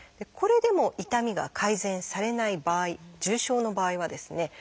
これでも痛みが改善されない場合重症の場合はですね